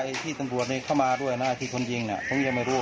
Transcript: ไอ้ที่ตังบวชนี่เขามาด้วยน่ะที่คนยิงน่ะผมยังไม่รู้